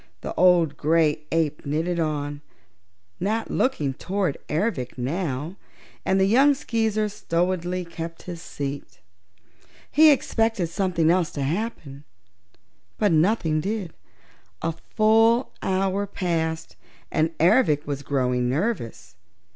The old gray ape knitted on, not looking toward Ervic now, and the young Skeezer stolidly kept his seat. He expected something else to happen, but nothing did. A full hour passed and Ervic was growing nervous.